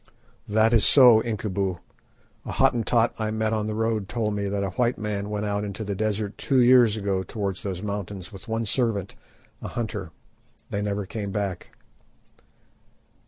"That is so, Incubu; a Hottentot I met on the road told me that a white man went out into the desert two years ago towards those mountains with one servant, a hunter. They never came back."